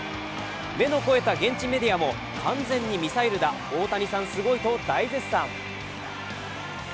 目の肥えた現地メディアも完全にミサイルだ、大谷さん、スゴイと大絶賛。